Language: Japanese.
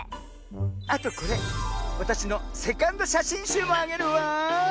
あとこれわたしのセカンドしゃしんしゅうもあげるわ。